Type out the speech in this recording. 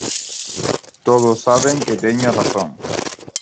Todos saben que teño razón.